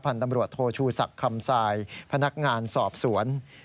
ตำรวจโทชูศักดิ์คำทรายพนักงานสอบสวน